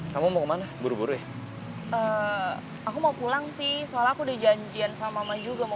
kamu mau kemana buru buru aku mau pulang sih soal aku dijanjikan sama juga mau